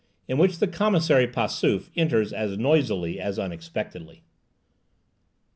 IN WHICH THE COMMISSARY PASSAUF ENTERS AS NOISILY AS UNEXPECTEDLY.